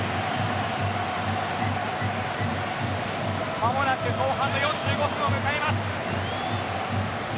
間もなく後半の４５分を迎えます。